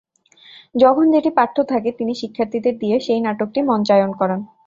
যখন যেটি পাঠ্য থাকে তিনি শিক্ষার্থীদের দিয়ে সেই নাটকটি মঞ্চায়ন করান।